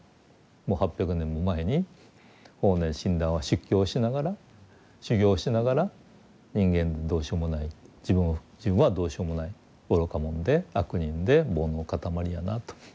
もう８００年も前に法然親鸞は出家をしながら修行をしながら人間どうしようもない自分はどうしようもない愚か者で悪人で煩悩の固まりやなと。